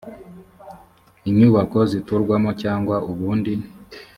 inyubako ziturwamo cyangwa ubundi